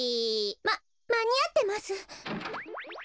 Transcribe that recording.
ままにあってます。